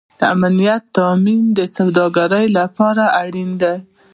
د امنیت تامین د سوداګرۍ لپاره اړین دی